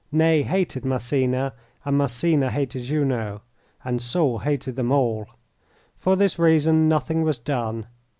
Ney hated Massena, and Massena hated Junot, and Soult hated them all. For this reason, nothing was done.